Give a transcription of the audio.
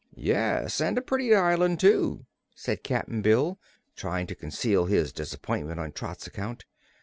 "Yes, and a pretty island, too," said Cap'n Bill, trying to conceal his disappointment on Trot's account.